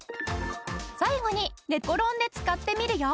最後に寝転んで使ってみるよ。